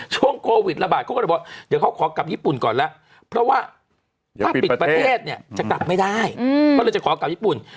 เพราะว่าถ้าปิดประเทศเนี่ยจะกลับไม่ได้เขาเลยจะขอกลับญี่ปุ่น